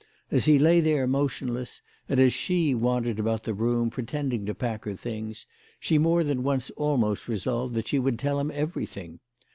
As he lay there motionless, and as she wandered about the room pretending to pack her things, she more than once almost resolved that she would tell him everything.